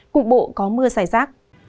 cụng bộ có mưa xảy rác